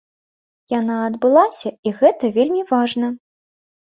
Яна адбылася і гэта вельмі важна.